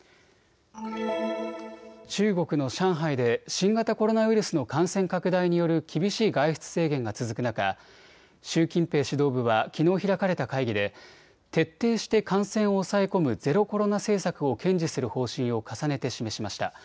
中国の上海で新型コロナウイルスの感染拡大による厳しい外出制限が続く中、習近平指導部はきのう開かれた会議で徹底して感染を抑え込むゼロコロナ政策を堅持する方針を重ねて示しました。